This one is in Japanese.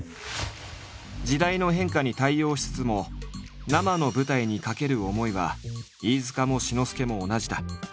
時代の変化に対応しつつも生の舞台に懸ける思いは飯塚も志の輔も同じだ。